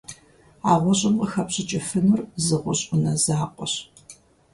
А гъущӀым къыхэпщӀыкӀыфынур зы гъущӀ Ӏунэ закъуэщ.